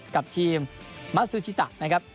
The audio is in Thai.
กับทีมมัสซูชิตะนะครับ